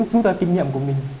rút ra kinh nghiệm của mình